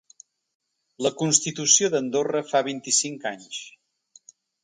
La constitució d’Andorra fa vint-i-cinc anys.